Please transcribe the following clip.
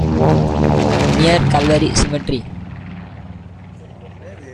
near Calvary Cemetery.